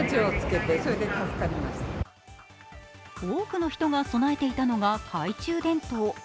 多くの人が備えていたのが懐中電灯。